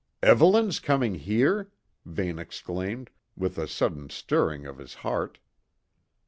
"Evelyn's coming here?" Vane exclaimed, with a sudden stirring of his heart.